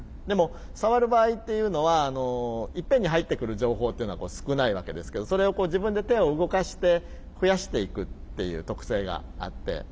でもさわる場合っていうのはいっぺんに入ってくる情報っていうのは少ないわけですけどそれを自分で手を動かして増やしていくっていう特性があって。